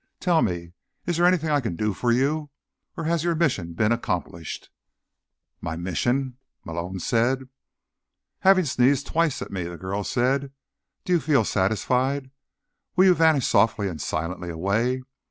Tell me, is there anything I can do for you? Or has your mission been accomplished?" "My mission?" Malone said. "Having sneezed twice at me," the girl said, "do you feel satisfied? Will you vanish softly and silently away?